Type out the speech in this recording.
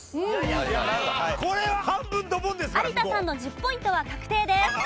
有田さんの１０ポイントは確定です。